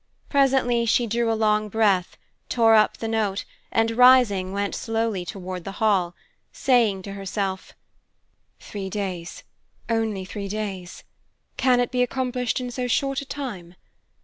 Presently she drew a long breath, tore up the note, and rising, went slowly toward the Hall, saying to herself, "Three days, only three days! Can it be accomplished in so short a time?